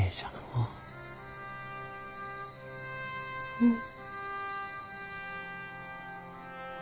うん。